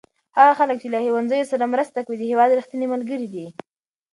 هغه خلک چې له ښوونځیو سره مرسته کوي د هېواد رښتیني ملګري دي.